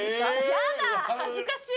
やだ恥ずかし！